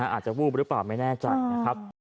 อาจจะวูบหรือเปล่าไม่แน่ใจนะครับ